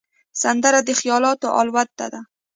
سندره د خیالونو الوت ده